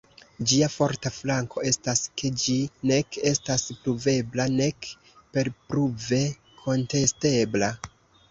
Ĝia forta flanko estas, ke ĝi nek estas pruvebla nek perpruve kontestebla.